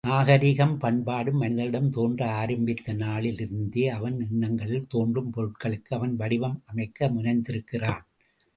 நாகரிகமும் பண்பாடும் மனிதனிடம் தோன்ற ஆரம்பித்த நாளிலிருந்தே அவன் எண்ணங்களில் தோன்றும் பொருட்களுக்கு அவன் வடிவம் அமைக்க முனைந்திருக்கிறான்.